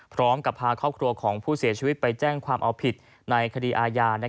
พร้อมกับพาครอบครัวของผู้เสียชีวิตไปแจ้งความเอาผิดในคดีอาญา